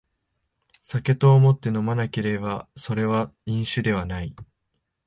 酒と思って飲まなければそれは飲酒ではない